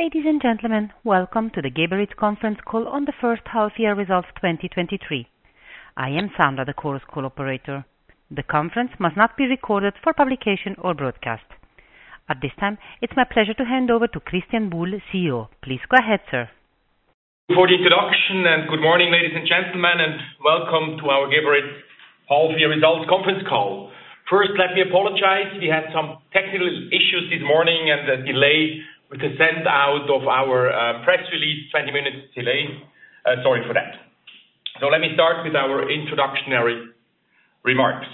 Ladies and gentlemen, welcome to the Geberit conference call on the first half year results, 2023. I am Sandra, the chorus call operator. The conference must not be recorded for publication or broadcast. At this time, it's my pleasure to hand over to Christian Buhl, CEO. Please go ahead, sir. For the introduction, good morning, ladies and gentlemen, and welcome to our Geberit half year results conference call. First, let me apologize. We had some technical issues this morning and a delay with the send out of our press release, 20 minutes delay. Sorry for that. Let me start with our introductionary remarks.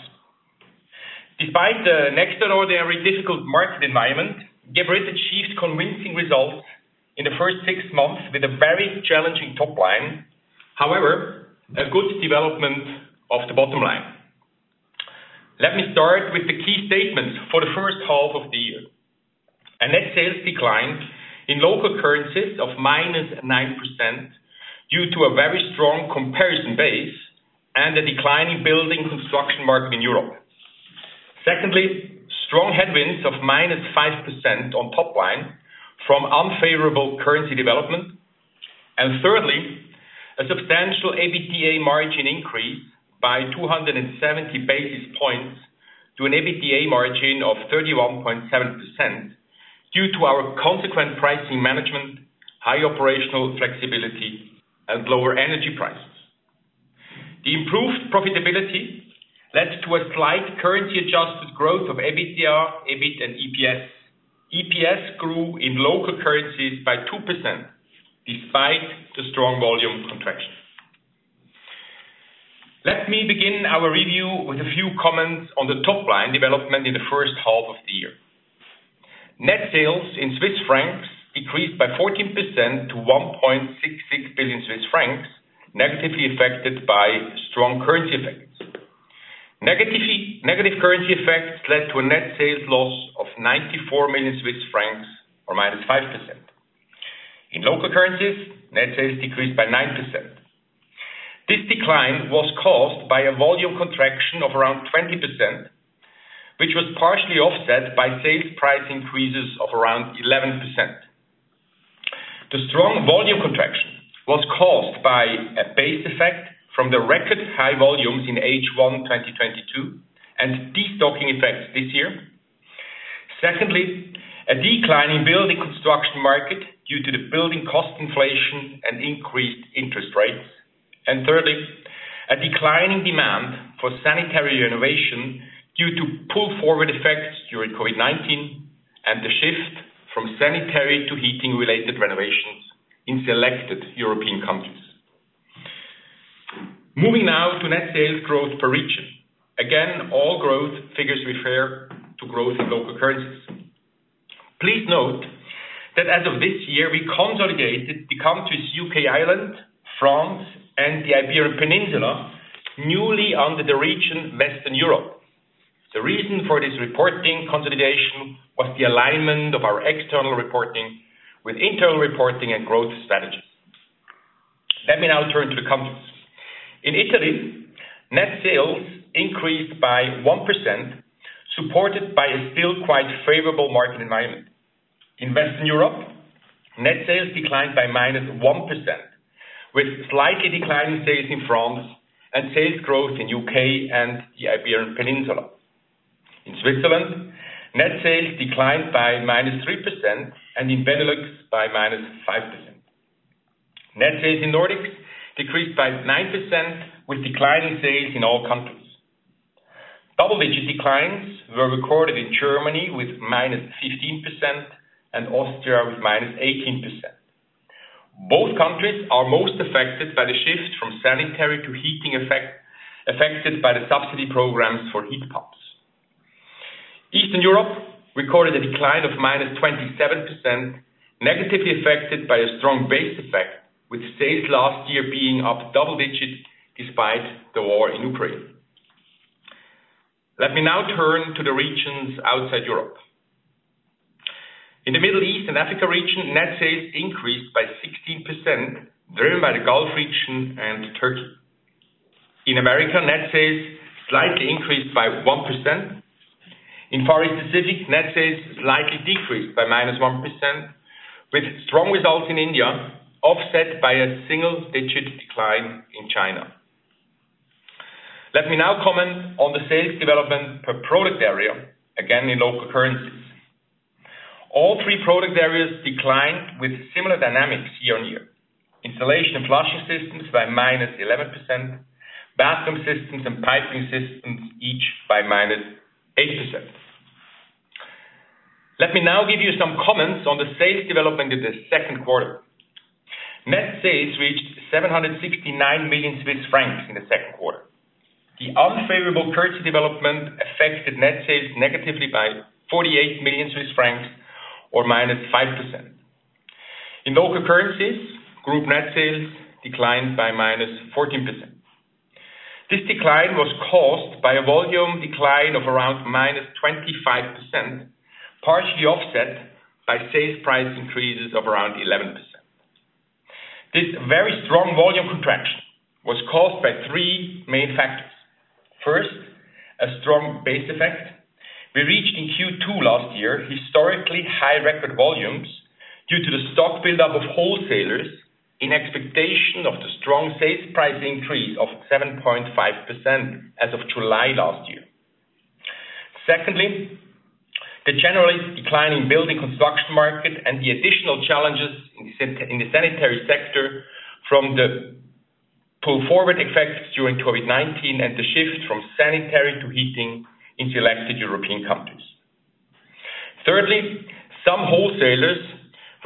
Despite the extraordinary difficult market environment, Geberit achieved convincing results in the first six months with a very challenging top line. However, a good development of the bottom line. Let me start with the key statements for the first half of the year. A net sales decline in local currencies of -9% due to a very strong comparison base and a decline in building construction market in Europe. Secondly, strong headwinds of -5% on top line from unfavorable currency development. Thirdly, a substantial EBITDA margin increase by 270 basis points to an EBITDA margin of 31.7%, due to our consequent pricing management, high operational flexibility, and lower energy prices. The improved profitability led to a slight currency-adjusted growth of EBITDA, EBIT and EPS. EPS grew in local currencies by 2% despite the strong volume contraction. Let me begin our review with a few comments on the top line development in the first half of the year. Net sales in Swiss francs decreased by 14% to 1.66 billion Swiss francs, negatively affected by strong currency effects. Negative currency effects led to a net sales loss of 94 million Swiss francs, or -5%. In local currencies, net sales decreased by 9%. This decline was caused by a volume contraction of around 20%, which was partially offset by sales price increases of around 11%. The strong volume contraction was caused by a base effect from the record high volumes in H1 2022 and destocking effects this year. Secondly, a decline in building construction market due to the building cost inflation and increased interest rates. Thirdly, a decline in demand for sanitary renovation due to pull forward effects during COVID-19 and the shift from sanitary to heating-related renovations in selected European countries. Moving now to net sales growth per region. Again, all growth figures refer to growth in local currencies. Please note that as of this year, we consolidated the countries U.K., Ireland, France, and the Iberian Peninsula, newly under the region, Western Europe. The reason for this reporting consolidation was the alignment of our external reporting with internal reporting and growth strategies. Let me now turn to the countries. In Italy, net sales increased by 1%, supported by a still quite favorable market environment. In Western Europe, net sales declined by -1%, with slightly declining sales in France and sales growth in U.K. and the Iberian Peninsula. In Switzerland, net sales declined by -3%, and in Benelux, by -5%. Net sales in Nordic decreased by 9%, with declining sales in all countries. Double-digit declines were recorded in Germany with -15% and Austria with -18%. Both countries are most affected by the shift from sanitary to heating effect, affected by the subsidy programs for heat pumps. Eastern Europe recorded a decline of -27%, negatively affected by a strong base effect, with sales last year being up double digits despite the war in Ukraine. Let me now turn to the regions outside Europe. In the Middle East and Africa region, net sales increased by 16%, driven by the Gulf region and Turkey. In America, net sales slightly increased by 1%. In Far East Pacific, net sales slightly decreased by -1%, with strong results in India, offset by a single-digit decline in China. Let me now comment on the sales development per product area, again, in local currencies. All three product areas declined with similar dynamics year-on-year. Installation and flushing systems by -11%, bathroom systems and piping systems, each by -8%. Let me now give you some comments on the sales development in the second quarter. Net sales reached 769 million Swiss francs in the second quarter. The unfavorable currency development affected net sales negatively by 48 million Swiss francs or -5%. In local currencies, group net sales declined by -14%. This decline was caused by a volume decline of around -25%, partially offset by sales price increases of around 11%. This very strong volume contraction was caused by three main factors. base effect, we reached in Q2 last year, historically high record volumes due to the stock buildup of wholesalers in expectation of the strong sales price increase of 7.5% as of July last year. Secondly, the general decline in building construction market and the additional challenges in the sanitary sector from the pull forward effects during COVID-19 and the shift from sanitary to heating in selected European countries. Thirdly, some wholesalers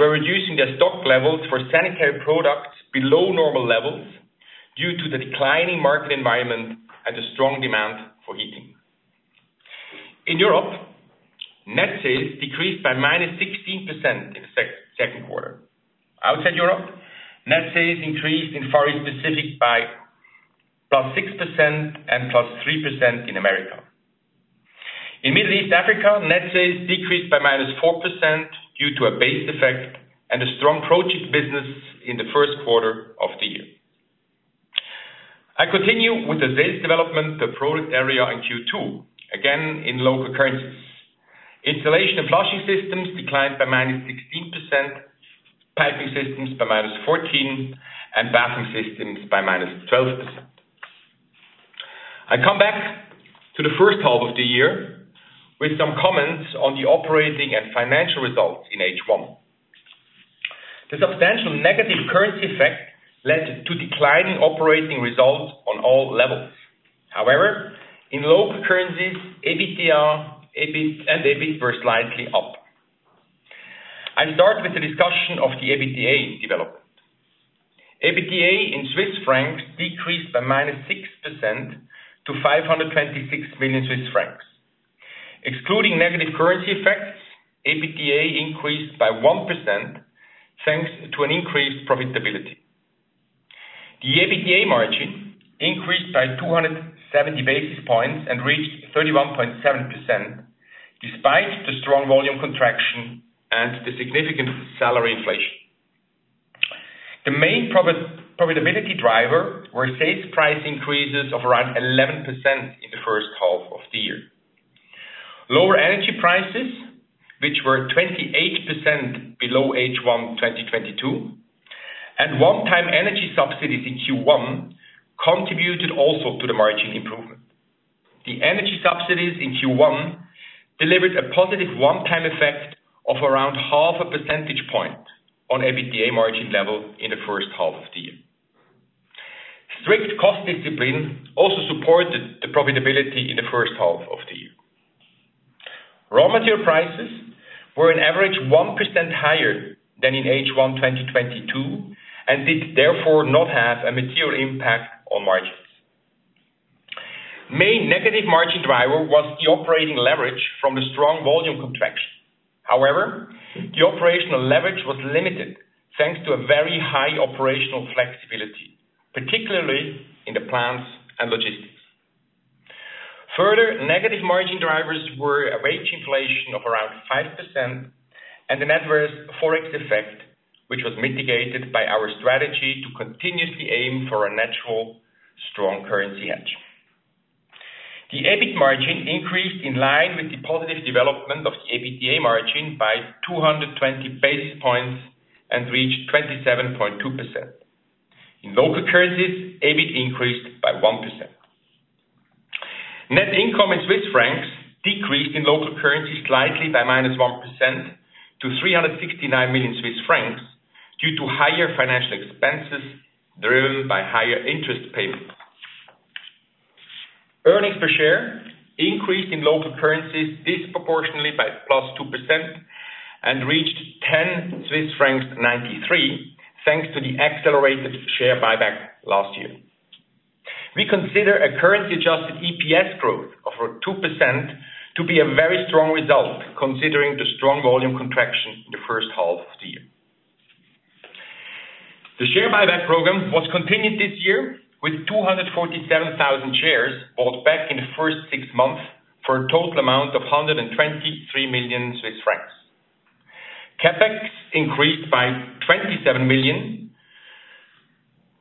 were reducing their stock levels for sanitary products below normal levels due to the declining market environment and the strong demand for heating. In Europe, net sales decreased by minus 16% in the second quarter. Outside Europe, net sales increased in Far East Pacific by +6% and +3% in America. In Middle East Africa, net sales decreased by minus 4% due to a base effect and a strong project business in the first quarter of the year. I continue with the sales development, the product area in Q2, again, in local currencies. Installation and flushing systems declined by minus 16%, piping systems by minus 14, and bathroom systems by minus 12%. I come back to the first half of the year with some comments on the operating and financial results in H1. The substantial negative currency effect led to declining operating results on all levels. In local currencies, EBITDA, EBIT, and EBIT were slightly up. I start with the discussion of the EBITDA development. EBITDA in Swiss francs decreased by -6% to 526 million Swiss francs. Excluding negative currency effects, EBITDA increased by 1%, thanks to an increased profitability. The EBITDA margin increased by 270 basis points and reached 31.7%, despite the strong volume contraction and the significant salary inflation. The main profitability driver were sales price increases of around 11% in the first half of the year. Lower energy prices, which were 28% below H1 2022, and one-time energy subsidies in Q1, contributed also to the margin improvement. The energy subsidies in Q1 delivered a positive one-time effect of around 0.5 percentage point on EBITDA margin level in the first half of the year. Strict cost discipline also supported the profitability in the first half of the year. Raw material prices were on average 1% higher than in H1 2022, did therefore not have a material impact on margins. Main negative margin driver was the operating leverage from the strong volume contraction. However, the operational leverage was limited, thanks to a very high operational flexibility, particularly in the plants and logistics. Further, negative margin drivers were a wage inflation of around 5% and an adverse Forex effect, which was mitigated by our strategy to continuously aim for a natural, strong currency edge. The EBIT margin increased in line with the positive development of the EBITDA margin by 220 basis points and reached 27.2%. In local currencies, EBIT increased by 1%. Net income in CHF decreased in local currency slightly by -1% to 369 million Swiss francs, due to higher financial expenses, driven by higher interest payments. Earnings per share increased in local currencies disproportionately by +2% and reached 10.93 Swiss francs, thanks to the accelerated share buyback last year. We consider a currency-adjusted EPS growth of over 2% to be a very strong result, considering the strong volume contraction in the first half of the year. The share buyback program was continued this year with 247,000 shares, bought back in the first 6 months for a total amount of 123 million Swiss francs. CapEx increased by 27 million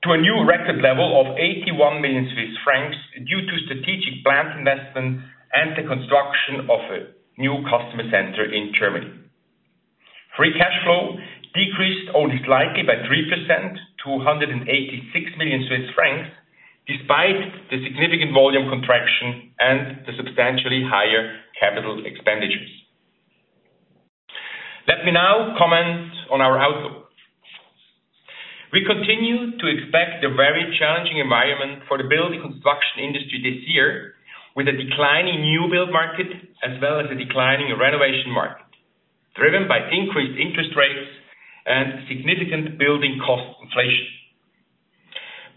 to a new record level of 81 million Swiss francs, due to strategic plant investment and the construction of a new customer center in Germany. free cash flow decreased only slightly by 3% to 186 million Swiss francs, despite the significant volume contraction and the substantially higher capital expenditures. Let me now comment on our outlook. We continue to expect a very challenging environment for the building construction industry this year, with a decline in new build market, as well as a decline in renovation market, driven by increased interest rates and significant building cost inflation.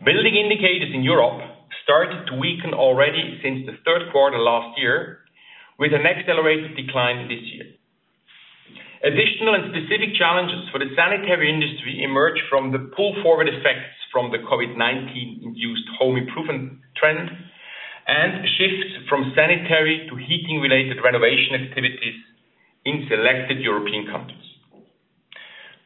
Building indicators in Europe started to weaken already since the third quarter last year, with an accelerated decline this year. Additional specific challenges for the sanitary industry emerge from the pull forward effects from the COVID-19-induced home improvement trend and shifts from sanitary to heating-related renovation activities in selected European countries.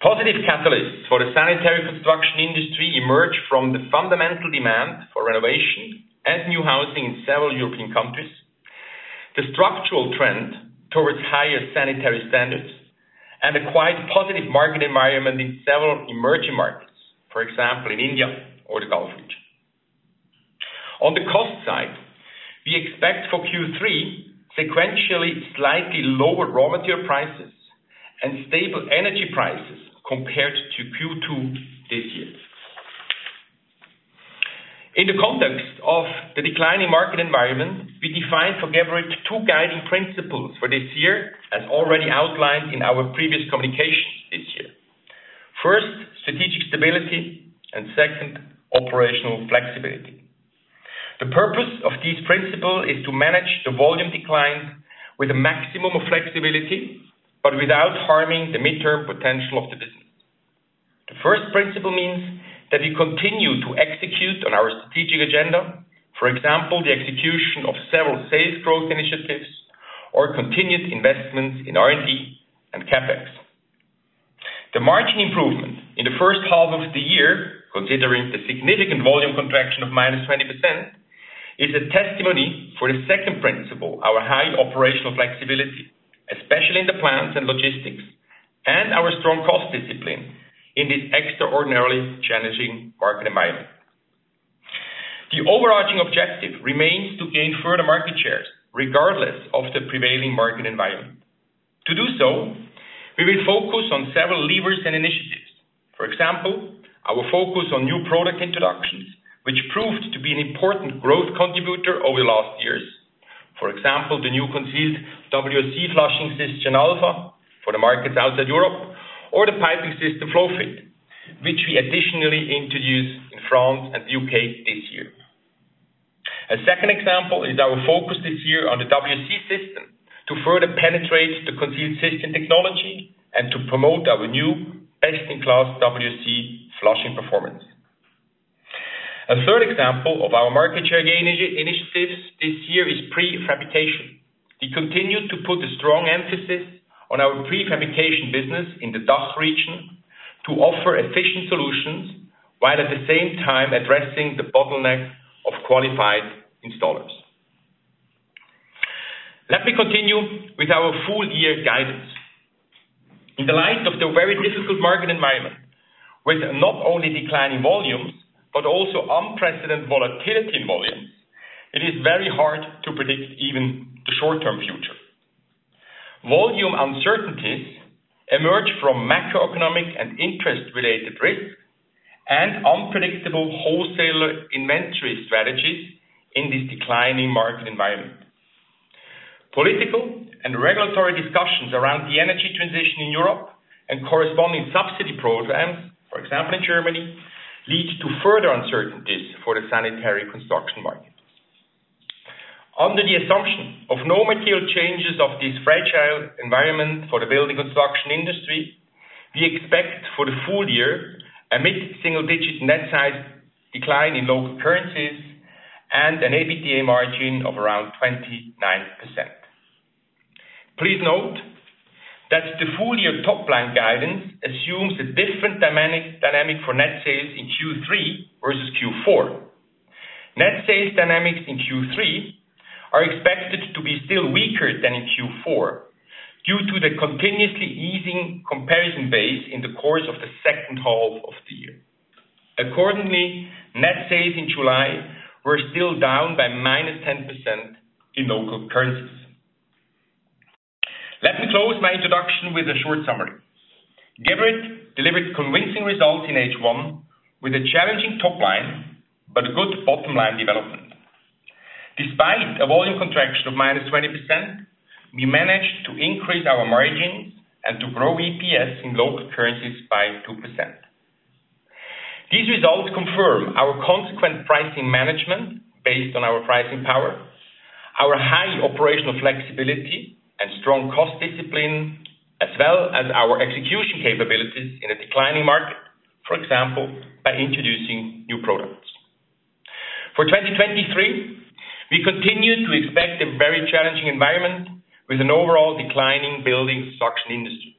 Positive catalysts for the sanitary construction industry emerged from the fundamental demand for renovation and new housing in several European countries. The structural trend towards higher sanitary standards and a quite positive market environment in several emerging markets, for example, in India or the Gulf region. On the cost side, we expect for Q3 sequentially slightly lower raw material prices and stable energy prices compared to Q2 this year. In the context of the declining market environment, we defined for Geberit two guiding principles for this year, as already outlined in our previous communications this year. First, strategic stability, and second, operational flexibility. The purpose of this principle is to manage the volume decline with a maximum of flexibility, but without harming the mid-term potential of the business. The first principle means that we continue to execute on our strategic agenda, for example, the execution of several sales growth initiatives or continued investments in R&D and CapEx. The margin improvement in the first half of the year, considering the significant volume contraction of -20%, is a testimony for the second principle, our high operational flexibility, especially in the plants and logistics, and our strong cost discipline in this extraordinarily challenging market environment. The overarching objective remains to gain further market shares, regardless of the prevailing market environment. To do so, we will focus on several levers and initiatives. For example, our focus on new product introductions, which proved to be an important growth contributor over the last years. For example, the new concealed WC flushing system, Alpha, for the markets outside Europe, or the piping system, FlowFit, which we additionally introduced in France and the U.K. this year. A second example is our focus this year on the WC system to further penetrate the concealed system technology and to promote our new best-in-class WC flushing performance. A third example of our market share gain initiatives this year is prefabrication. We continue to put a strong emphasis on our prefabrication business in the DACH region to offer efficient solutions, while at the same time addressing the bottleneck of qualified installers. Let me continue with our full year guidance. In the light of the very difficult market environment, with not only declining volumes, but also unprecedented volatility in volumes, it is very hard to predict even the short-term future. Volume uncertainties emerge from macroeconomic and interest-related risks and unpredictable wholesaler inventory strategies in this declining market environment. Political and regulatory discussions around the energy transition in Europe and corresponding subsidy programs, for example, in Germany, lead to further uncertainties for the sanitary construction market. Under the assumption of no material changes of this fragile environment for the building construction industry, we expect for the full year a mid-single-digit net sales decline in local currencies and an EBITDA margin of around 29%. Please note that the full year top-line guidance assumes a different dynamic for net sales in Q3 versus Q4. Net sales dynamics in Q3 are expected to be still weaker than in Q4, due to the continuously easing comparison base in the course of the second half of the year. Accordingly, net sales in July were still down by -10% in local currencies. Let me close my introduction with a short summary. Geberit delivered convincing results in H1 with a challenging top line, but good bottom line development. Despite a volume contraction of -20%, we managed to increase our margins and to grow EPS in local currencies by 2%. These results confirm our consequent pricing management based on our pricing power, our high operational flexibility and strong cost discipline, as well as our execution capabilities in a declining market, for example, by introducing new products. For 2023, we continue to expect a very challenging environment with an overall decline in building construction industry.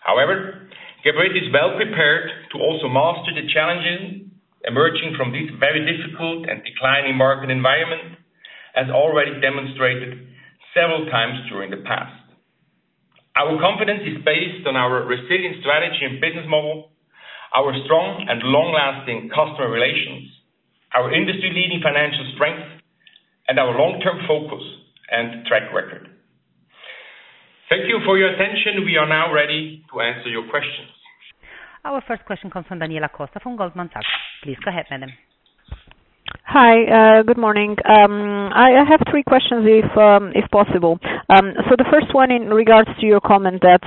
However, Geberit is well prepared to also master the challenges emerging from this very difficult and declining market environment, as already demonstrated several times during the past. Our confidence is based on our resilient strategy and business model, our strong and long-lasting customer relations, our industry-leading financial strength, and our long-term focus and track record. Thank you for your attention. We are now ready to answer your questions. Our first question comes from Daniela Costa from Goldman Sachs. Please go ahead, madam. Hi, good morning. I, I have three questions, if possible. The first one in regards to your comment that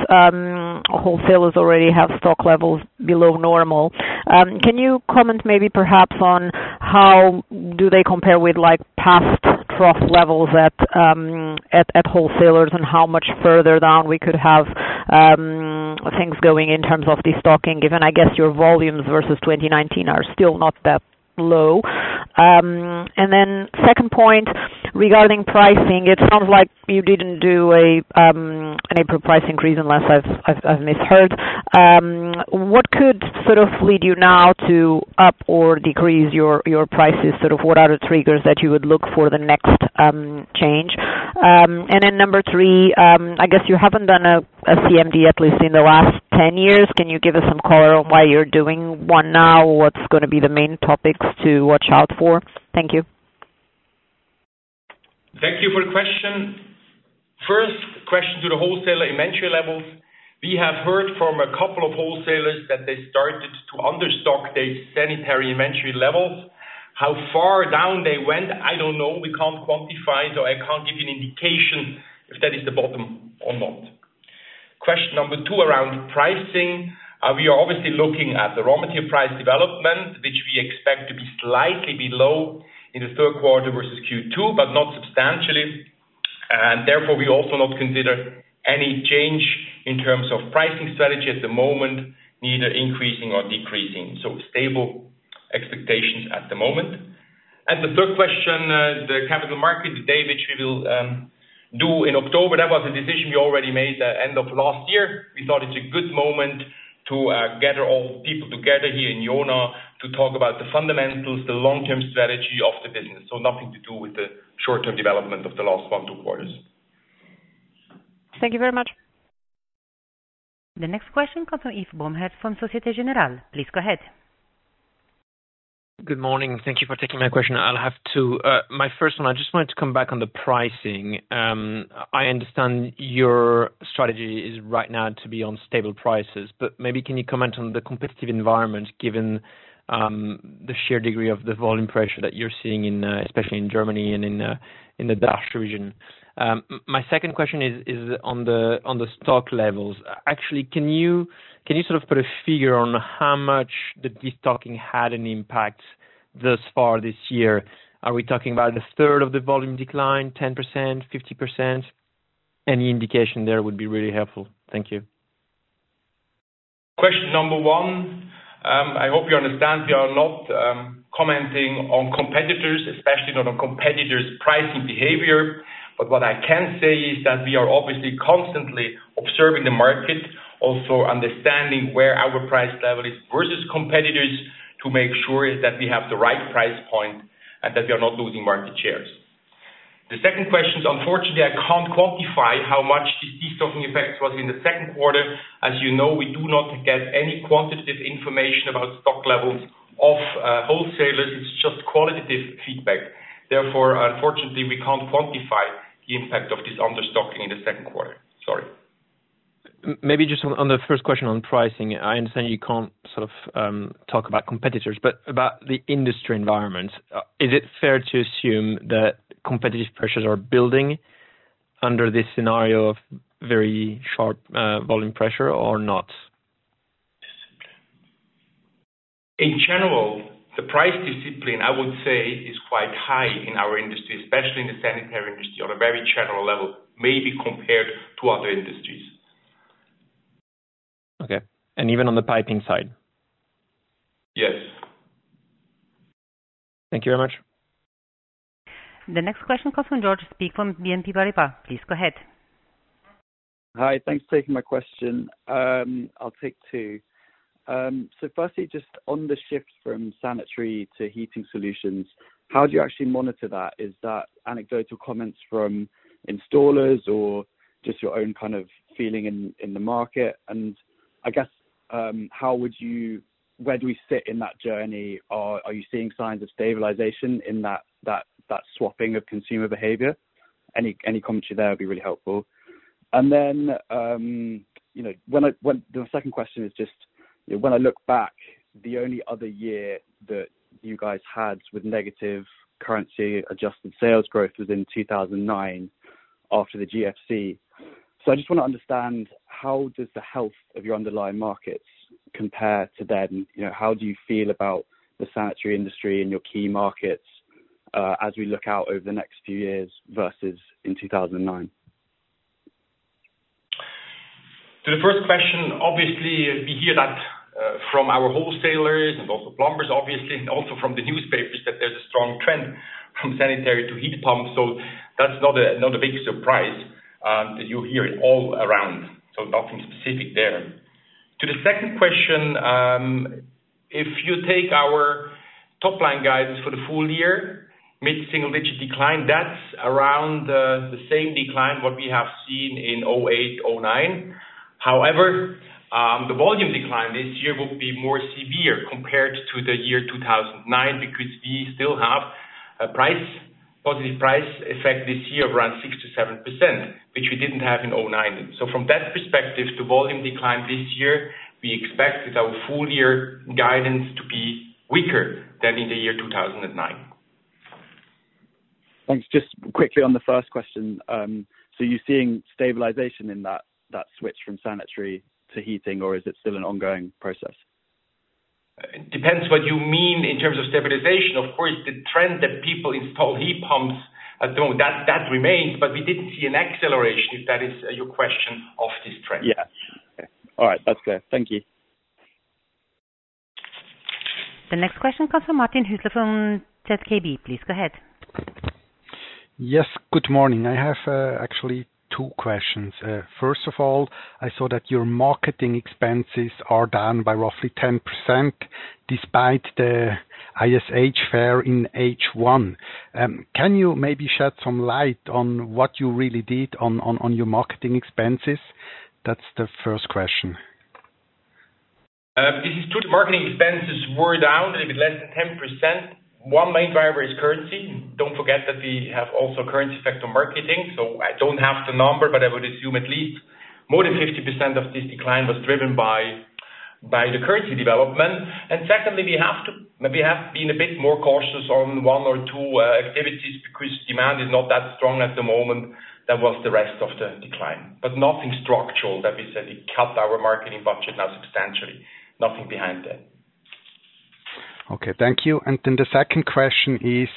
wholesalers already have stock levels below normal. Can you comment maybe perhaps on how do they compare with, like, past trough levels at, at, at wholesalers, and how much further down we could have things going in terms of the stocking, given, I guess, your volumes versus 2019 are still not that low? Then second point-... Regarding pricing, it sounds like you didn't do an April price increase, unless I've, I've, I've misheard. What could sort of lead you now to up or decrease your, your prices? Sort of what are the triggers that you would look for the next change? Then number three, I guess you haven't done a CMD, at least in the last 10 years. Can you give us some color on why you're doing one now? What's gonna be the main topics to watch out for? Thank you. Thank you for the question. First, question to the wholesaler inventory levels. We have heard from a couple of wholesalers that they started to under stock their sanitary inventory levels. How far down they went, I don't know. We can't quantify, so I can't give you an indication if that is the bottom or not. Question number two, around pricing. We are obviously looking at the raw material price development, which we expect to be slightly below in the third quarter versus Q2, but not substantially. Therefore, we also not consider any change in terms of pricing strategy at the moment, neither increasing or decreasing. Stable expectations at the moment. The third question, the capital market, date which we will do in October. That was a decision we already made at end of last year. We thought it's a good moment to gather all the people together here in Jona, to talk about the fundamentals, the long-term strategy of the business. Nothing to do with the short-term development of the last one, two quarters. Thank you very much. The next question comes from Yves Bromehead from Societe Generale. Please go ahead. Good morning, thank you for taking my question. I'll have to my first one, I just wanted to come back on the pricing. I understand your strategy is right now to be on stable prices, but maybe can you comment on the competitive environment, given the sheer degree of the volume pressure that you're seeing in, especially in Germany and in the Dutch region? My second question is on the stock levels. Actually, can you, can you sort of put a figure on how much the destocking had an impact thus far this year? Are we talking about a third of the volume decline, 10%, 50%? Any indication there would be really helpful. Thank you. Question number one, I hope you understand we are not commenting on competitors, especially not on competitors' pricing behavior. What I can say is that we are obviously constantly observing the market, also understanding where our price level is versus competitors, to make sure that we have the right price point and that we are not losing market shares. The second question, unfortunately, I can't quantify how much the destocking effect was in the second quarter. As you know, we do not get any quantitative information about stock levels of wholesalers. It's just qualitative feedback. Therefore, unfortunately, we can't quantify the impact of this understocking in the second quarter. Sorry. Maybe just on, on the first question on pricing. I understand you can't sort of talk about competitors, but about the industry environment. Is it fair to assume that competitive pressures are building under this scenario of very sharp volume pressure or not? In general, the price discipline, I would say, is quite high in our industry, especially in the sanitary industry, on a very general level, maybe compared to other industries. Okay. Even on the piping side? Yes. Thank you very much. The next question comes from George Speak from BNP Paribas. Please go ahead. Hi, thanks for taking my question. I'll take two. Firstly, just on the shift from sanitary to heating solutions, how do you actually monitor that? Is that anecdotal comments from installers or just your own kind of feeling in, in the market? I guess, where do we sit in that journey, or are you seeing signs of stabilization in that, that, that swapping of consumer behavior? Any, any commentary there would be really helpful. Then, you know, The second question is just, when I look back, the only other year that you guys had with negative currency-adjusted sales growth was in 2009 after the GFC. I just want to understand, how does the health of your underlying markets compare to then? You know, how do you feel about the sanitary industry and your key markets, as we look out over the next few years versus in 2009? To the first question, obviously, we hear that from our wholesalers and also plumbers, obviously, and also from the newspapers, that there's a strong trend from sanitary to heat pumps. That's not a, not a big surprise that you hear it all around. Nothing specific there. To the second question, if you take our top line guidance for the full year, mid-single-digit decline, that's around the same decline what we have seen in 2008, 2009. However, the volume decline this year will be more severe compared to 2009, because we still have a price, positive price effect this year, around 6%-7%, which we didn't have in 2009. From that perspective, the volume decline this year, we expect with our full year guidance to be weaker than in the year 2009. Thanks. Just quickly on the first question. You're seeing stabilization in that, that switch from sanitary to heating, or is it still an ongoing process? It depends what you mean in terms of stabilization. Of course, the trend that people install heat pumps are doing, that, that remains, but we didn't see an acceleration, if that is your question, of this trend. Yeah. Okay. All right. That's clear. Thank you. The next question comes from Martin Hüsler from ZKB, please go ahead. Yes, good morning. I have, actually two questions. First of all, I saw that your marketing expenses are down by roughly 10% despite the ISH fair in H1. Can you maybe shed some light on what you really did on, on, on your marketing expenses? That's the first question. This is true. Marketing expenses were down a bit less than 10%. One main driver is currency. Don't forget that we have also currency effect on marketing, so I don't have the number, but I would assume at least more than 50% of this decline was driven by the currency development. Secondly, we have been a bit more cautious on one or two activities because demand is not that strong at the moment. That was the rest of the decline, but nothing structural that we said we cut our marketing budget now substantially. Nothing behind that. Okay, thank you. The second question is,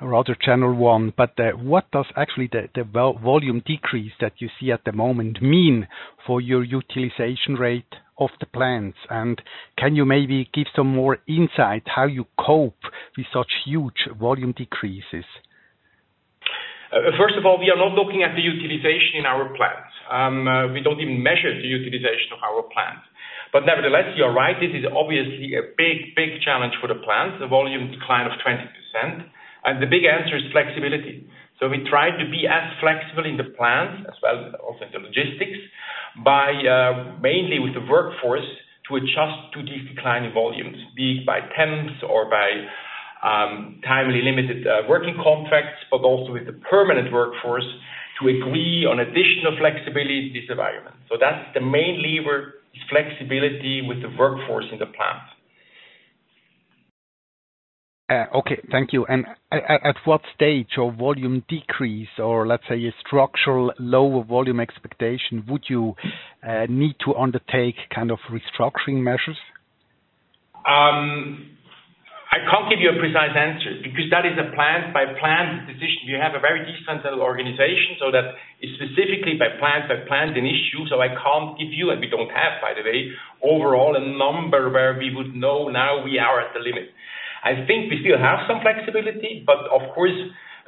rather general one, but, what does actually the volume decrease that you see at the moment mean for your utilization rate of the plants? Can you maybe give some more insight how you cope with such huge volume decreases? First of all, we are not looking at the utilization in our plants. We don't even measure the utilization of our plants. Nevertheless, you're right, this is obviously a big, big challenge for the plants, a volume decline of 20%, and the big answer is flexibility. We try to be as flexible in the plants as well, also the logistics, by mainly with the workforce, to adjust to this decline in volumes, be it by temps or by timely limited working contracts, but also with the permanent workforce to agree on additional flexibility in this environment. That's the main lever, is flexibility with the workforce in the plant. Okay, thank you. At what stage of volume decrease, or let's say a structural lower volume expectation, would you need to undertake kind of restructuring measures? I can't give you a precise answer because that is a plant-by-plant decision. We have a very decentralized organization, so that is specifically by plant by plant an issue, so I can't give you, and we don't have, by the way, overall, a number where we would know now we are at the limit. I think we still have some flexibility, but of course,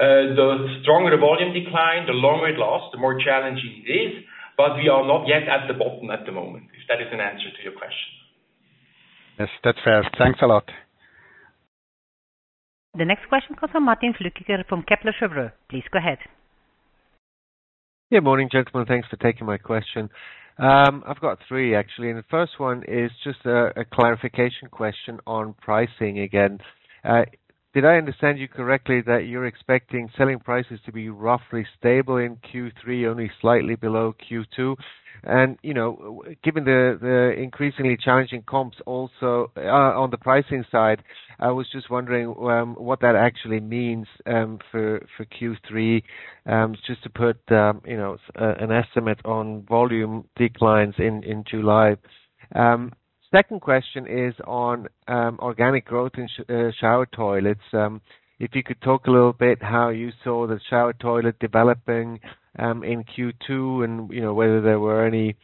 the stronger the volume decline, the longer it lasts, the more challenging it is, but we are not yet at the bottom at the moment. If that is an answer to your question. Yes, that's fair. Thanks a lot. The next question comes from Martin Flueckiger from Kepler Cheuvreux. Please go ahead. Good morning, gentlemen. Thanks for taking my question. I've got three, actually, and the first one is just a, a clarification question on pricing again. Did I understand you correctly, that you're expecting selling prices to be roughly stable in Q3, only slightly below Q2? You know, given the, the increasingly challenging comps also, on the pricing side, I was just wondering, what that actually means, for, for Q3, just to put, you know, an estimate on volume declines in, in July. Second question is on, organic growth in Shower Toilets. If you could talk a little bit how you saw the Shower Toilet developing, in Q2, and, you know, whether there were any,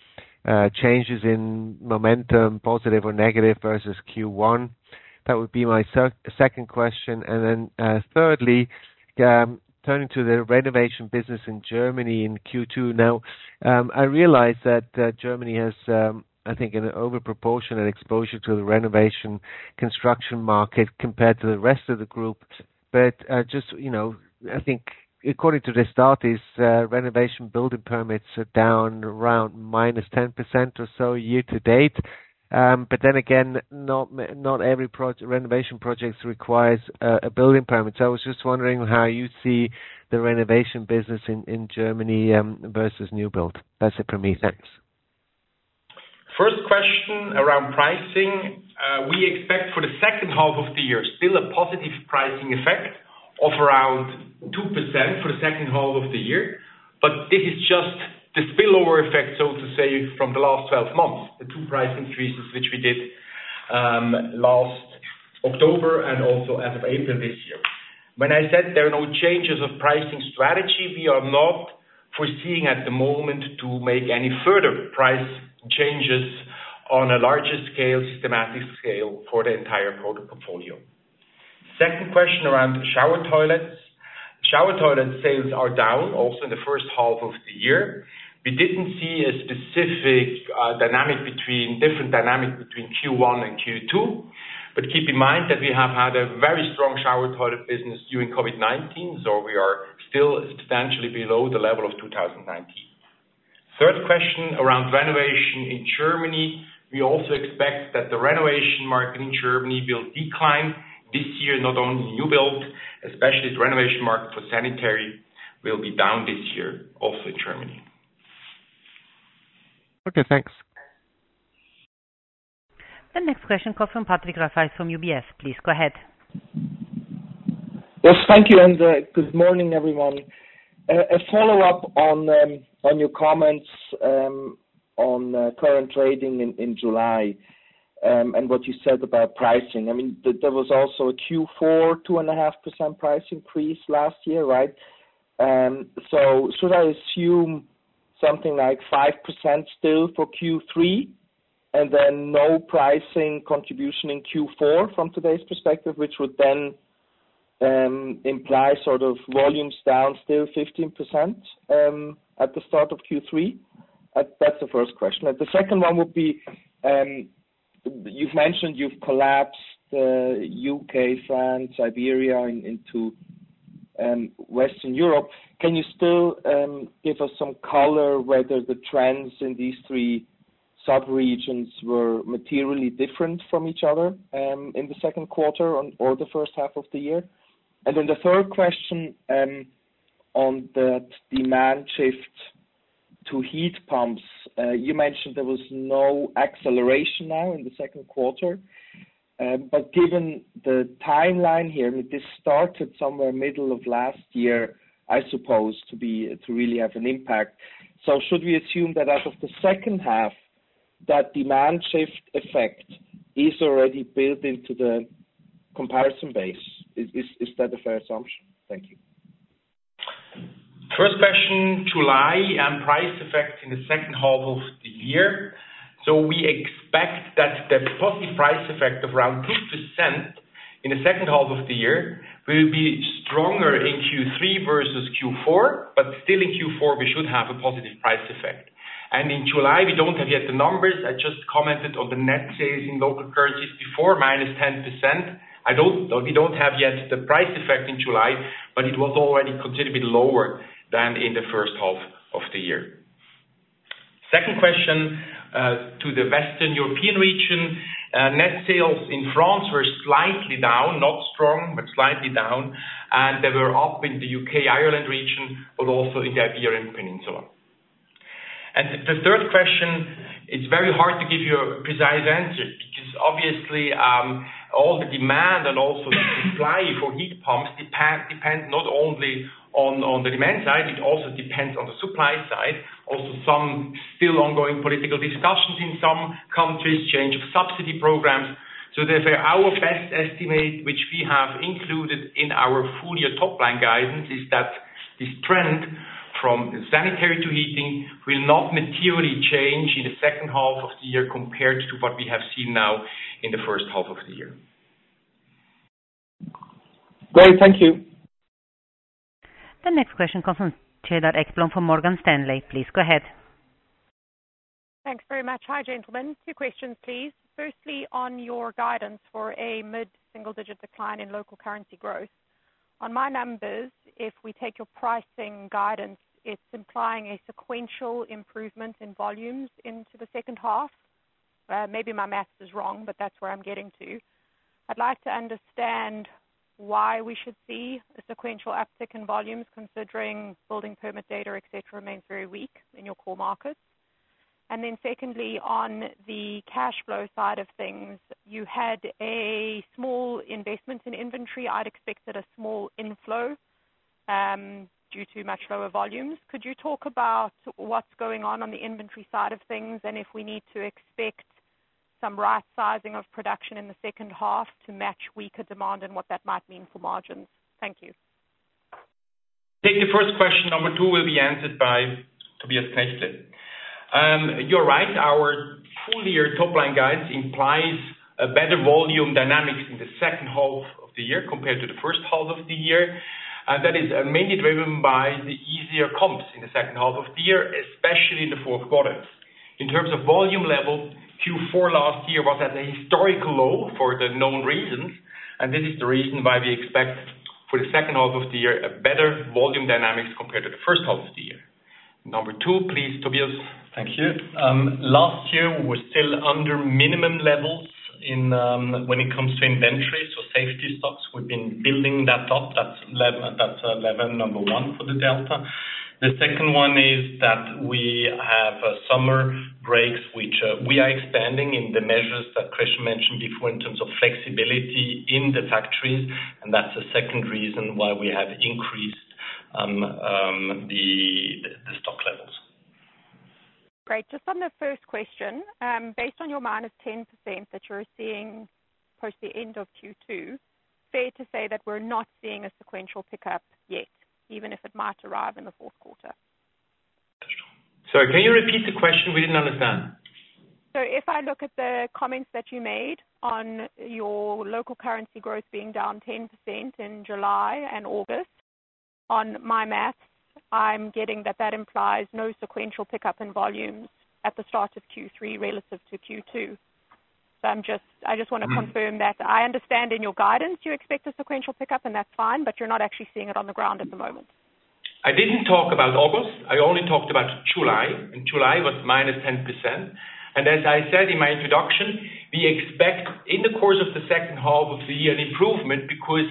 changes in momentum, positive or negative, versus Q1. That would be my second question. Then, thirdly, turning to the renovation business in Germany in Q2. Now, I realize that Germany has, I think, an overproportionate exposure to the renovation construction market compared to the rest of the group. Just, you know, I think according to the start, is, renovation building permits are down around minus 10% or so year to date. Then again, not every renovation projects requires a building permit. I was just wondering how you see the renovation business in Germany versus new build. That's it from me. Thanks. First question, around pricing. We expect for the second half of the year, still a positive pricing effect of around 2% for the second half of the year, but this is just the spillover effect, so to say, from the last 12 months, the two price increases, which we did, last October and also as of April this year. When I said there are no changes of pricing strategy, we are not foreseeing at the moment to make any further price changes on a larger scale, systematic scale, for the entire product portfolio. Second question, around shower toilets. Shower toilets sales are down also in the first half of the year. We didn't see a specific dynamic, different dynamic between Q1 and Q2, but keep in mind that we have had a very strong shower toilet business during COVID-19, so we are still substantially below the level of 2019. Third question, around renovation in Germany. We also expect that the renovation market in Germany will decline this year, not only new build, especially the renovation market for sanitary, will be down this year, also in Germany. Okay, thanks. The next question comes from Patrick Rafaisz from UBS. Please go ahead. Yes, thank you, and good morning, everyone. A follow-up on your comments on current trading in July, and what you said about pricing. I mean, there, there was also a Q4, 2.5% price increase last year, right? Should I assume-... something like 5% still for Q3, and then no pricing contribution in Q4 from today's perspective, which would then imply sort of volumes down still 15% at the start of Q3? That's the first question. The second one would be, you've mentioned you've collapsed U.K., France, Iberia, into Western Europe. Can you still give us some color whether the trends in these three sub-regions were materially different from each other in the second quarter or the first half of the year? The third question, on the demand shift to heat pumps. You mentioned there was no acceleration now in the second quarter. Given the timeline here, this started somewhere middle of last year, I suppose, to really have an impact. Should we assume that as of the second half, that demand shift effect is already built into the comparison base? Is that a fair assumption? Thank you. First question, July, price effect in the second half of the year. We expect that the positive price effect of around 2% in the second half of the year, will be stronger in Q3 versus Q4, but still in Q4, we should have a positive price effect. In July, we don't have yet the numbers. I just commented on the net sales in local currencies before, minus 10%. We don't have yet the price effect in July, but it was already considerably lower than in the first half of the year. Second question, to the Western European region. Net sales in France were slightly down, not strong, but slightly down, and they were up in the U.K., Ireland region, but also in the Iberian Peninsula. The third question, it's very hard to give you a precise answer, because obviously, all the demand and also the supply for heat pumps depends not only on the demand side, it also depends on the supply side. Also, some still ongoing political discussions in some countries, change of subsidy programs. Therefore, our best estimate, which we have included in our full-year top-line guidance, is that this trend from sanitary to heating will not materially change in the second half of the year, compared to what we have seen now in the first half of the year. Great. Thank you. The next question comes from Cedar Ekblom, from Morgan Stanley. Please go ahead. Thanks very much. Hi, gentlemen. Two questions, please. Firstly, on your guidance for a mid-single-digit decline in local currency growth. On my numbers, if we take your pricing guidance, it's implying a sequential improvement in volumes into the second half. Maybe my math is wrong, but that's where I'm getting to. I'd like to understand why we should see a sequential uptick in volumes, considering building permit data, et cetera, remains very weak in your core markets. Then secondly, on the cash flow side of things, you had a small investment in inventory. I'd expected a small inflow, due to much lower volumes. Could you talk about what's going on, on the inventory side of things, and if we need to expect some right-sizing of production in the second half to match weaker demand and what that might mean for margins? Thank you. Take the first question, number two will be answered by Tobias Knechtle. You're right, our full-year top-line guidance implies a better volume dynamics in the second half of the year compared to the first half of the year. That is mainly driven by the easier comps in the second half of the year, especially in the fourth quarter. In terms of volume level, Q4 last year was at a historic low for the known reasons. This is the reason why we expect for the second half of the year, a better volume dynamics compared to the first half of the year. Number two, please, Tobias. Thank you. Last year we were still under minimum levels in when it comes to inventories or safety stocks. We've been building that up. That's level number one for the delta. The second one is that we have summer breaks, which we are expanding in the measures that Christian mentioned before, in terms of flexibility in the factories, and that's the second reason why we have increased the stock levels. Great. Just on the first question, based on your -10% that you're seeing towards the end of Q2, fair to say that we're not seeing a sequential pickup yet, even if it might arrive in the fourth quarter? Sorry, can you repeat the question? We didn't understand. If I look at the comments that you made on your local currency growth being down 10% in July and August, on my math, I'm getting that that implies no sequential pickup in volumes at the start of Q3 relative to Q2. I just wanna confirm that. Mm. I understand in your guidance, you expect a sequential pickup, and that's fine, but you're not actually seeing it on the ground at the moment. I didn't talk about August. I only talked about July, and July was -10%. As I said in my introduction, we expect in the course of the second half of the year, an improvement, because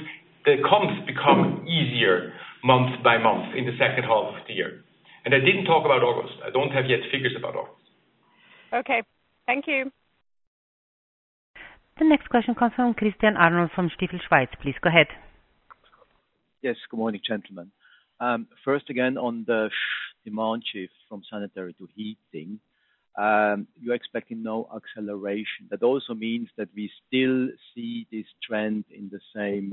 the comps become easier month by month, in the second half of the year. I didn't talk about August. I don't have yet figures about August. Okay, thank you. The next question comes from Christian Arnold, from Stifel Schweiz. Please go ahead. Yes, good morning, gentlemen. First again, on the demand shift from sanitary to heating. You're expecting no acceleration. That also means that we still see this trend in the same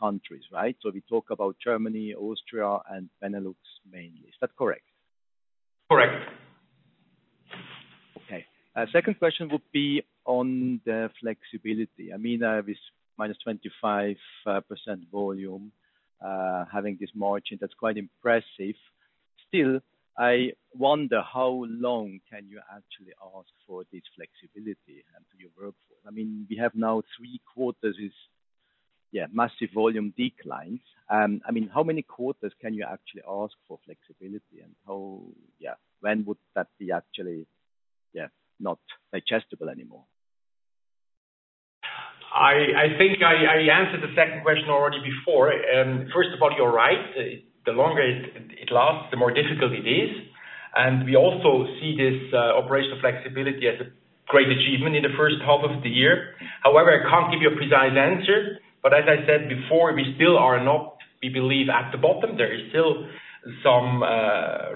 countries, right? We talk about Germany, Austria, and Benelux mainly. Is that correct? Correct. Okay. Second question would be on the flexibility. I mean, with minus 25% volume, having this margin, that's quite impressive. Still, I wonder how long can you actually ask for this flexibility and to your workforce? I mean, we have now three quarters is massive volume declines. I mean, how many quarters can you actually ask for flexibility, and how, when would that be actually not digestible anymore? I, I think I, I answered the second question already before. First of all, you're right. The, the longer it, it lasts, the more difficult it is, and we also see this operational flexibility as a great achievement in the first half of the year. However, I can't give you a precise answer, but as I said before, we still are not, we believe, at the bottom. There is still some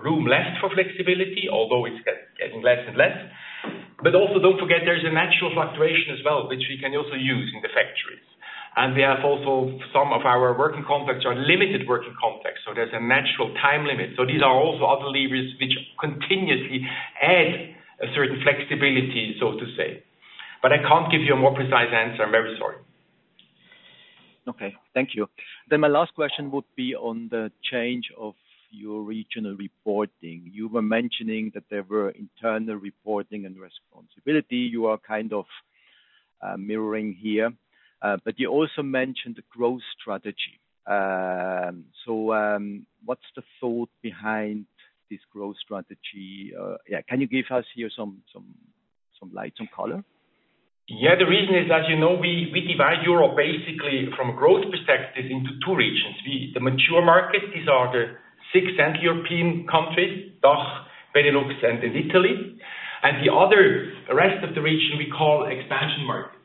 room left for flexibility, although it's getting less and less. Also, don't forget, there's a natural fluctuation as well, which we can also use in the factories. We have also some of our working contracts are limited working contract, so there's a natural time limit. These are also other levers which continuously add a certain flexibility, so to say. I can't give you a more precise answer. I'm very sorry. Okay. Thank you. My last question would be on the change of your regional reporting. You were mentioning that there were internal reporting and responsibility. You are kind of mirroring here, but you also mentioned the growth strategy. What's the thought behind this growth strategy? Yeah, can you give us here some, some, some light, some color? Yeah, the reason is, as you know, we, we divide Europe basically from a growth perspective into two regions. The mature markets, these are the six European countries, DACH, Benelux, and then Italy, and the other rest of the region we call expansion markets.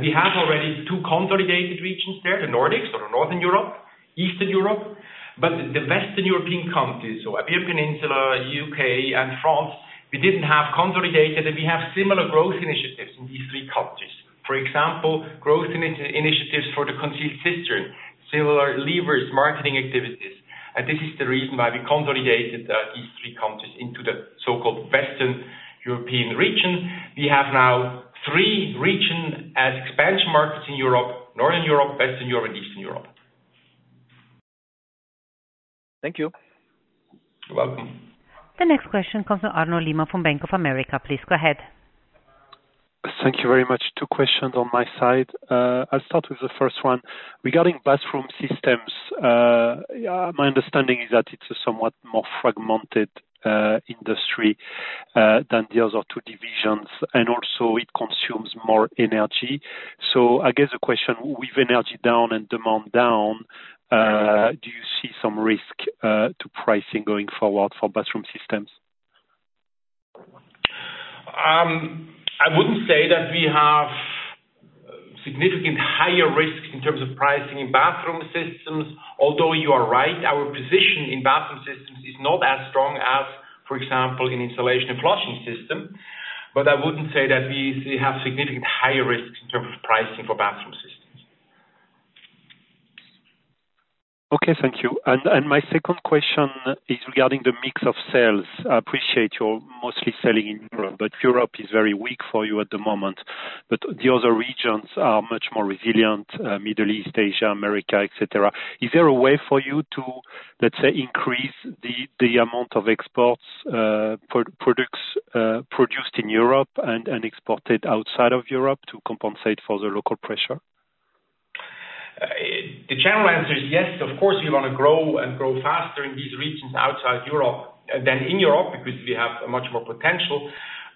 We have already two consolidated regions there, the Nordics or Northern Europe, Eastern Europe. The Western European countries, so Iberian Peninsula, U.K., and France, we didn't have consolidated, and we have similar growth initiatives in these three countries. For example, growth initiatives for the concealed cistern, similar levers, marketing activities. This is the reason why we consolidated these three countries into the so-called Western European region. We have now three region as expansion markets in Europe, Northern Europe, Western Europe, and Eastern Europe. Thank you. You're welcome. The next question comes from Arnaud Lehmann from Bank of America. Please go ahead. Thank you very much. Two questions on my side. I'll start with the first one. Regarding bathroom systems, yeah, my understanding is that it's a somewhat more fragmented industry than the other two divisions, and also it consumes more energy. I guess the question, with energy down and demand down, do you see some risk to pricing going forward for bathroom systems? I wouldn't say that we have significant higher risks in terms of pricing in bathroom systems, although you are right, our position in bathroom systems is not as strong as, for example, in Installation and flushing systems. I wouldn't say that we, we have significant higher risks in terms of pricing for bathroom systems. Okay. Thank you. My second question is regarding the mix of sales. I appreciate you're mostly selling in Europe, but Europe is very weak for you at the moment, but the other regions are much more resilient, Middle East, Asia, America, et cetera. Is there a way for you to, let's say, increase the, the amount of exports, products, produced in Europe and, and exported outside of Europe to compensate for the local pressure? The general answer is yes. Of course, we wanna grow and grow faster in these regions outside Europe than in Europe, because we have a much more potential.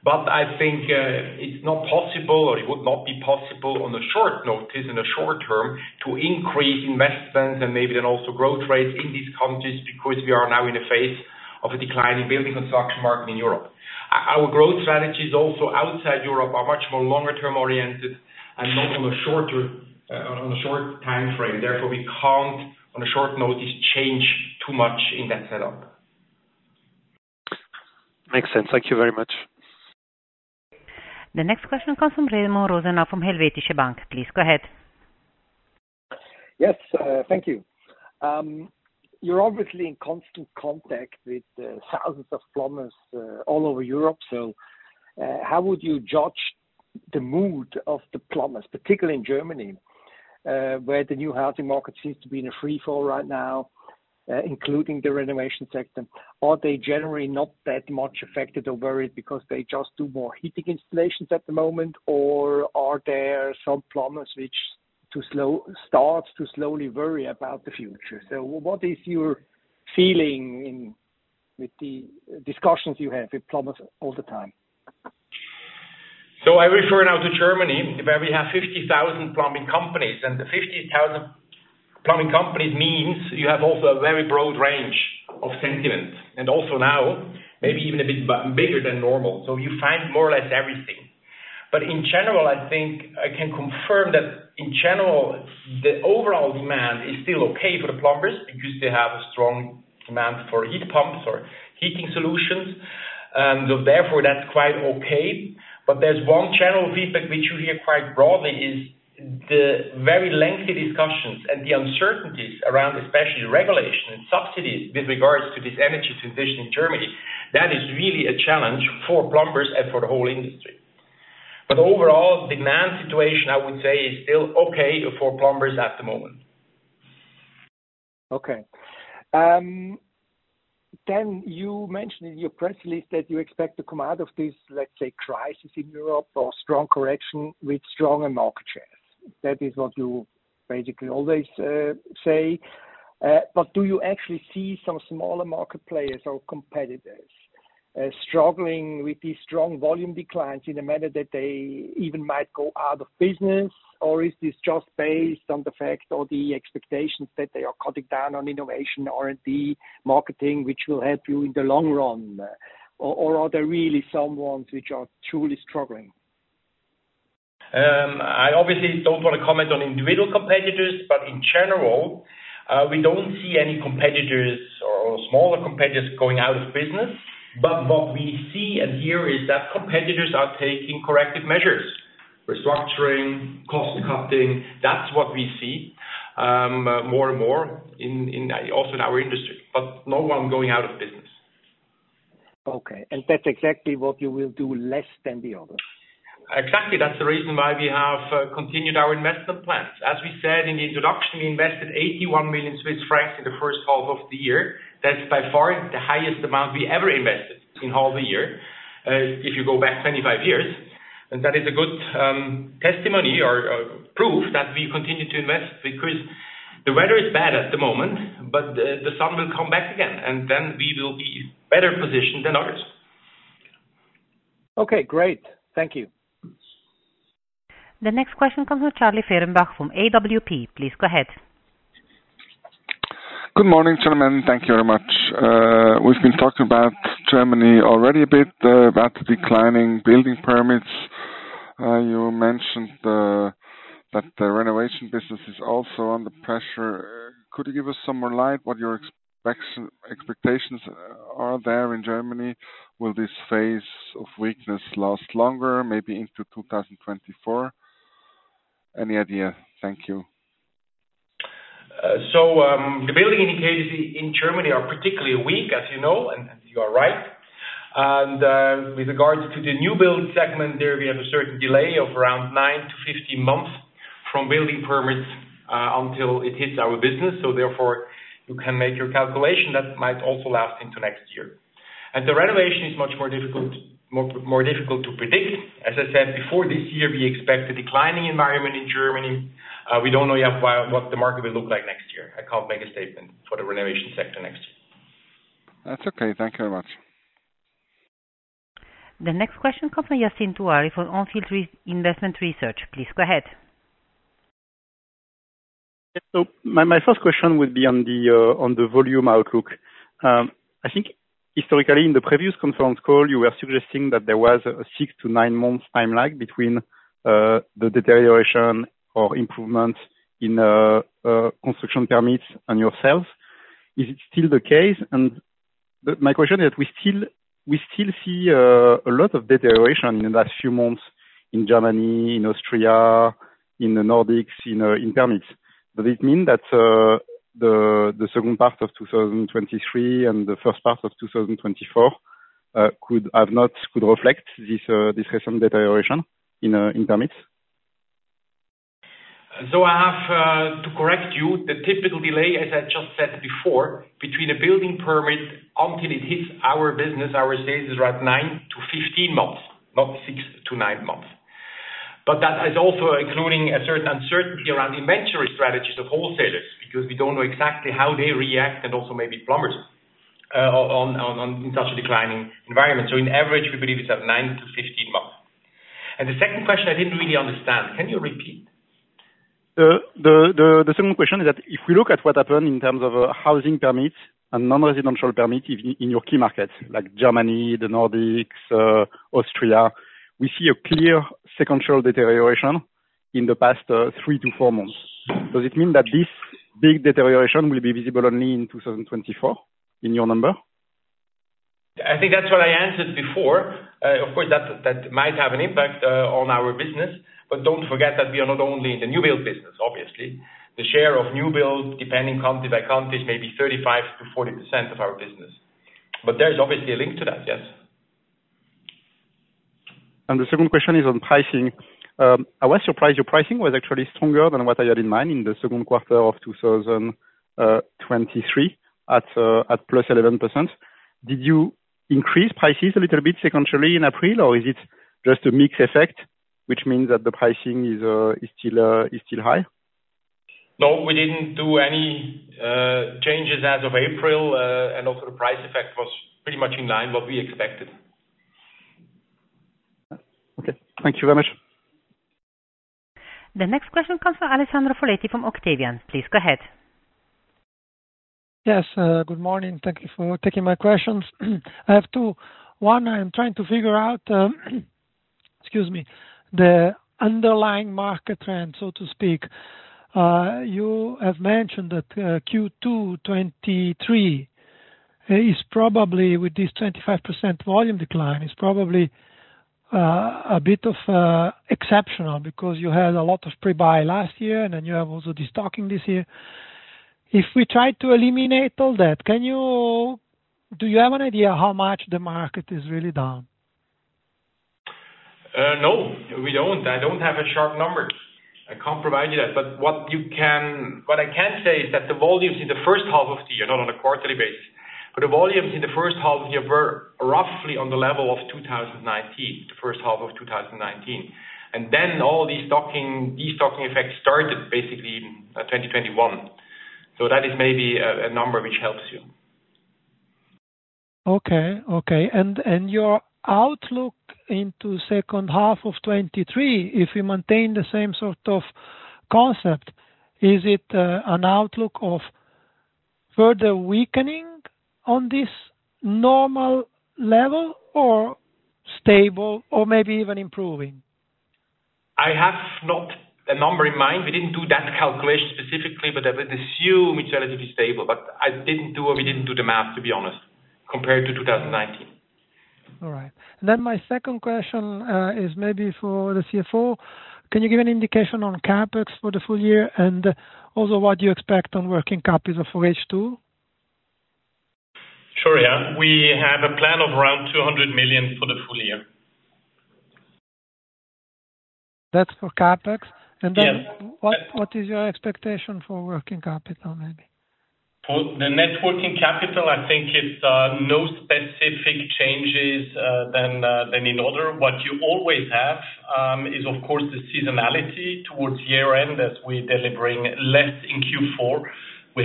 I think, it's not possible, or it would not be possible on a short notice, in a short term, to increase investments and maybe then also growth rates in these countries, because we are now in a phase of a decline in building construction market in Europe. Our, our growth strategies also outside Europe, are much more longer-term oriented and not on a shorter, on a short time frame. We can't, on a short notice, change too much in that setup. Makes sense. Thank you very much. The next question comes from Remo Rosenau from Helvetische Bank. Please go ahead. Yes, thank you. You're obviously in constant contact with thousands of plumbers all over Europe. How would you judge the mood of the plumbers, particularly in Germany, where the new housing market seems to be in a free fall right now, including the renovation sector? Are they generally not that much affected or worried because they just do more heating installations at the moment? Or are there some plumbers which starts to slowly worry about the future? What is your feeling in, with the discussions you have with plumbers all the time? I refer now to Germany, where we have 50,000 plumbing companies, and the 50,000 plumbing companies means you have also a very broad range of sentiment, and also now, maybe even a bit bigger than normal. You find more or less everything. In general, I think I can confirm that in general, the overall demand is still okay for the plumbers because they have a strong demand for heat pumps or heating solutions, and therefore that's quite okay. There's one general feedback which you hear quite broadly is the very lengthy discussions and the uncertainties around, especially regulation and subsidies, with regards to this energy transition in Germany. That is really a challenge for plumbers and for the whole industry. Overall, demand situation, I would say, is still okay for plumbers at the moment. Okay. You mentioned in your press release that you expect to come out of this, let's say, crisis in Europe, or strong correction with stronger market shares. That is what you basically always say. Do you actually see some smaller market players or competitors struggling with these strong volume declines in a manner that they even might go out of business? Or is this just based on the fact or the expectations that they are cutting down on innovation, R&D, marketing, which will help you in the long run? Or are there really some ones which are truly struggling? I obviously don't want to comment on individual competitors, in general, we don't see any competitors or smaller competitors going out of business. What we see and hear is that competitors are taking corrective measures, restructuring, cost cutting. That's what we see, more and more also in our industry, but no one going out of business. Okay, that's exactly what you will do less than the others? Exactly. That's the reason why we have continued our investment plans. As we said in the introduction, we invested 81 million Swiss francs in the first half of the year. That's by far the highest amount we ever invested in half the year, if you go back 25 years. That is a good testimony or, or proof that we continue to invest, because the weather is bad at the moment, but the, the sun will come back again, and then we will be better positioned than others. Okay, great. Thank you. The next question comes from Charlie Fehrenbach from AWP. Please go ahead. Good morning, gentlemen. Thank you very much. We've been talking about Germany already a bit, about the declining building permits. You mentioned that the renovation business is also under pressure. Could you give us some more light what your expectations are there in Germany? Will this phase of weakness last longer, maybe into 2024? Any idea? Thank you. The building indicators in Germany are particularly weak, as you know, and you are right. With regards to the new build segment, there we have a certain delay of around nine to 15 months from building permits until it hits our business. Therefore, you can make your calculation. That might also last into next year. The renovation is much more difficult, more difficult to predict. As I said before, this year, we expect a declining environment in Germany. We don't know yet what the market will look like next year. I can't make a statement for the renovation sector next year. That's okay. Thank you very much. The next question comes from Yassine Touahri from On Field Investment Research. Please go ahead. My, my first question would be on the on the volume outlook. I think historically, in the previous conference call, you were suggesting that there was a six to nine month timeline between the deterioration or improvement in construction permits and yourself. Is it still the case? My question is, we still, we still see a lot of deterioration in the last few months in Germany, in Austria, in the Nordics, in permits. Does it mean that the second part of 2023 and the first part of 2024 could have not, could reflect this recent deterioration in permits? I have to correct you. The typical delay, as I just said before, between a building permit until it hits our business, our sales, is around nine to 15 months, not six to nine months. That is also including a certain uncertainty around the inventory strategies of wholesalers, because we don't know exactly how they react, and also maybe plumbers, in such a declining environment. On average, we believe it's at nine to 15 months. The second question I didn't really understand. Can you repeat? The second question is that if we look at what happened in terms of housing permits and non-residential permits in your key markets, like Germany, the Nordics, Austria, we see a clear sequential deterioration in the past three to four months. Does it mean that this big deterioration will be visible only in 2024, in your number? I think that's what I answered before. Of course, that, that might have an impact on our business, but don't forget that we are not only in the new build business, obviously. The share of new build, depending country by country, is maybe 35%-40% of our business. There is obviously a link to that, yes. The second question is on pricing. I was surprised your pricing was actually stronger than what I had in mind in the second quarter of 2023, at +11%. Did you increase prices a little bit sequentially in April, or is it just a mix effect, which means that the pricing is still is still high? No, we didn't do any changes as of April, and also the price effect was pretty much in line what we expected. Okay. Thank you very much. The next question comes from Alessandro Foletti from Octavian. Please go ahead. Yes, good morning. Thank you for taking my questions. I have two. One, I'm trying to figure out, excuse me, the underlying market trend, so to speak. You have mentioned that Q2 2023 is probably, with this 25% volume decline, is probably a bit of exceptional because you had a lot of pre-buy last year, and then you have also the stocking this year. If we try to eliminate all that, can you do you have an idea how much the market is really down? No, we don't. I don't have a sharp number. I can't provide you that, but what I can say is that the volumes in the first half of the year, not on a quarterly basis, but the volumes in the first half of the year were roughly on the level of 2019, the first half of 2019. All the stocking, destocking effects started basically in 2021. That is maybe a number which helps you. Okay. Okay, your outlook into second half of 2023, if you maintain the same sort of concept, is it an outlook of further weakening on this normal level or stable, or maybe even improving? I have not a number in mind. We didn't do that calculation specifically. I would assume it's relatively stable. I didn't do or we didn't do the math, to be honest, compared to 2019. All right. My second question is maybe for the CFO. Can you give an indication on CapEx for the full year, and also what you expect on working capital for H2? Sure, yeah. We have a plan of around 200 million for the full year. That's for CapEx? Yes. Then what, what is your expectation for working capital, maybe? For the net working capital, I think it's no specific changes than than in other. What you always have is, of course, the seasonality towards year end, as we're delivering less in Q4. We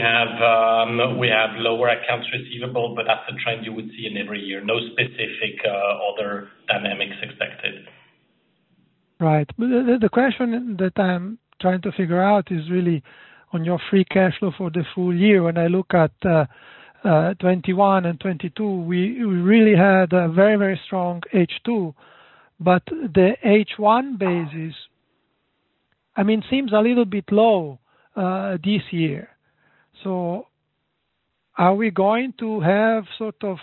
have lower accounts receivable, but that's a trend you would see in every year. No specific other dynamics expected. Right. The, the, the question that I'm trying to figure out is really on your free cash flow for the full year. When I look at 2021 and 2022, we, we really had a very, very strong H2, but the H1 basis, I mean, seems a little bit low this year. Are we going to have sort of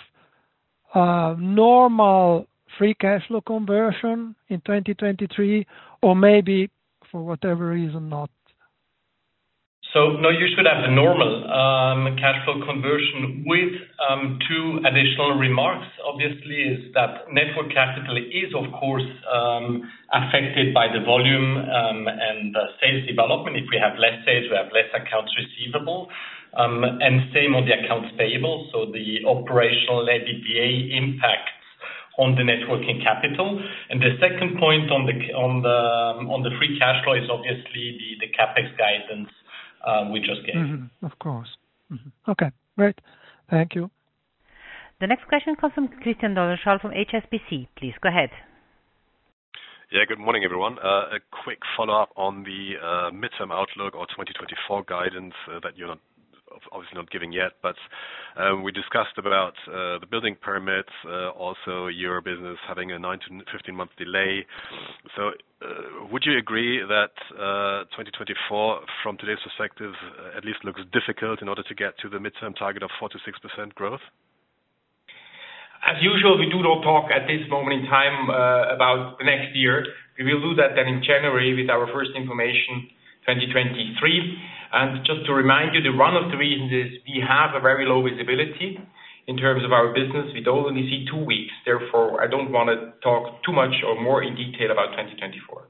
normal free cash flow conversion in 2023, or maybe for whatever reason, not? No, you should have a normal cash flow conversion with two additional remarks, obviously, is that net working capital is, of course, affected by the volume and sales development. If we have less sales, we have less accounts receivable, and same on the accounts payable, so the operational EBITDA impact on the networking capital. The second point on the free cash flow is obviously the CapEx guidance we just gave. Mm-hmm, of course. Mm-hmm. Okay, great. Thank you. The next question comes from Christian Doleschal from HSBC. Please go ahead. Yeah, good morning, everyone. A quick follow-up on the midterm outlook or 2024 guidance that you're not, obviously not giving yet, we discussed about the building permits, also your business having a nine to 15 month delay. Would you agree that 2024, from today's perspective, at least looks difficult in order to get to the midterm target of 4%-6% growth? As usual, we do not talk at this moment in time, about the next year. We will do that then in January with our first information, 2023. Just to remind you, that one of the reasons is we have a very low visibility in terms of our business. We only see two weeks, therefore, I don't wanna talk too much or more in detail about 2024.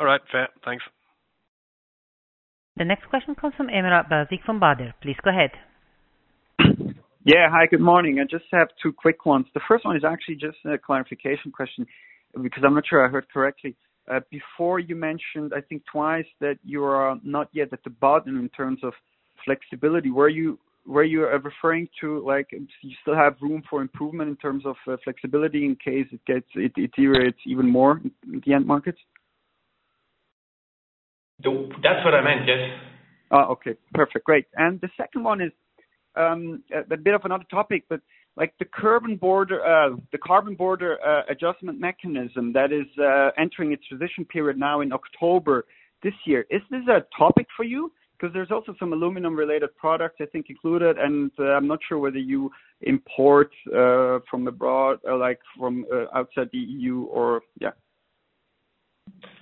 All right, fair. Thanks. The next question comes from Emrah Basic from Baader Helvea. Please go ahead. Yeah, hi, good morning. I just have two quick ones. The first one is actually just a clarification question, because I'm not sure I heard correctly. Before you mentioned, I think twice, that you are not yet at the bottom in terms of flexibility. Were you referring to, like, you still have room for improvement in terms of flexibility in case it gets it, it deteriorates even more in the end markets? That's what I meant, yes. Oh, okay, perfect. Great. The second one is, a bit of another topic, but like the Carbon Border Adjustment Mechanism, that is entering its transition period now in October this year, is this a topic for you? 'Cause there's also some aluminum-related products, I think, included, and, I'm not sure whether you import, from abroad or like from, outside the EU or, yeah.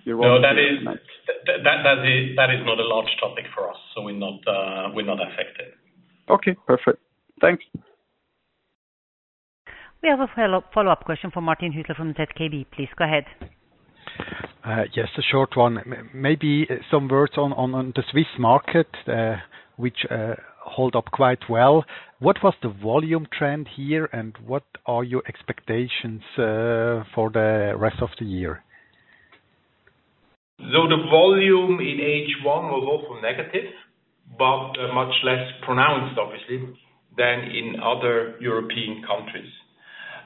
No, that is- Nice. That, that is, that is not a large topic for us, so we're not, we're not affected. Okay, perfect. Thanks. We have a follow-up question from Martin Hüsler from ZKB. Please go ahead. Just a short one. Maybe some words on, on, on the Swiss market, which hold up quite well. What was the volume trend here, and what are your expectations for the rest of the year? The volume in H1 was also negative, but much less pronounced, obviously, than in other European countries.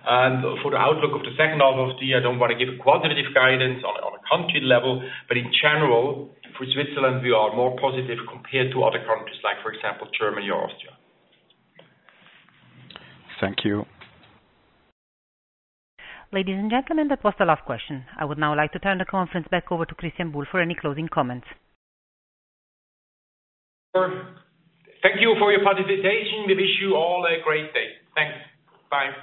For the outlook of the second half of the year, I don't want to give a quantitative guidance on a country level, but in general, for Switzerland, we are more positive compared to other countries, like, for example, Germany or Austria. Thank you. Ladies and gentlemen, that was the last question. I would now like to turn the conference back over to Christian Buhl for any closing comments. Thank you for your participation. We wish you all a great day. Thanks. Bye.